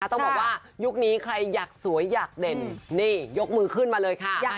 ต้องบอกว่ายุคนี้ใครอยากสวยอยากเด่นนี่ยกมือขึ้นมาเลยค่ะ